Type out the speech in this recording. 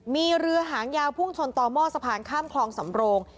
มีเรือหางยาวพุ่งชนต่อหม้อสะพานข้ามคลองสำโรง